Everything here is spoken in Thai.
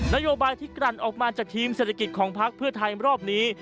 นโยบายที่กลั่นออกมาจากทีมเศรษฐกิจของพักเพื่อไทยรอบนี้